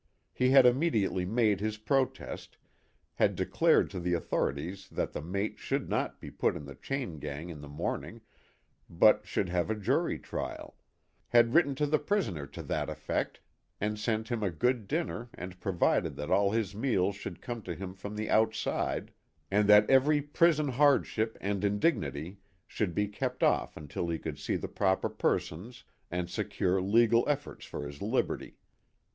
He had im mediately made his protest, had declared to the authorities that the mate should not be put in the chain gang in the morning, but should have a jury trial had written to the prisoner to that effect and sent him a good dinner and provided that all his meals should come to him from the outside, and that every prison hard ship and indignity should be kept off until he could see the proper persons and secure legal efforts for his liberty.